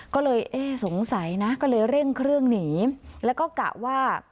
ก็เลยเอ๊ะสงสัยนะก็เลยเร่งเครื่องหนีแล้วก็กะว่า